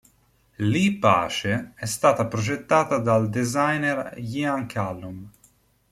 L'I-Pace è stata progettata dal designer Ian Callum.